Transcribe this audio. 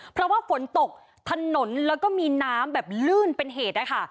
เพราะว่าฝนตกถนนแล้วก็มีน้ำแบบลื่นเป็นเหตุนะคะ